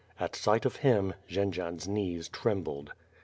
At sight of him, Jendzian's knees trembled.